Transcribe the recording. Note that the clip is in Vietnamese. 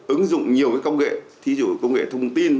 ứng dụng nhiều công nghệ thí dụ công nghệ thông tin